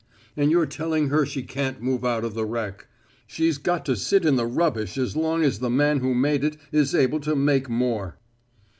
And you're telling her she can't move out of the wreck. She's got to sit in the rubbish as long as the man who made it is able to make more."